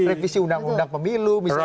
revisi undang undang pemilu